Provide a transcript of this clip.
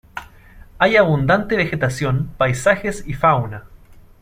Hay abundante vegetación, paisajes y fauna.